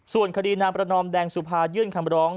ส่วนคดีนางประนอมแดงสุภายื่นคำร้อง